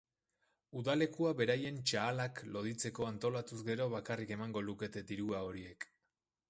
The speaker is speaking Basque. Udalekua beraien txahalak loditzeko antolatuz gero bakarrik emango lukete dirua horiek.